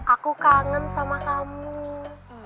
aku kangen sama kamu